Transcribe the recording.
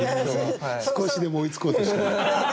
少しでも追いつこうとして。